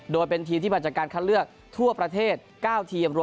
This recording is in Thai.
โดยเป็นทีมที่มาจากการคัดเลือกทั่วประเทศ๙ทีม